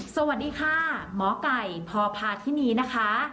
สวัสดีค่ะหมอไก่พอภาษณ์ที่นี้นะคะ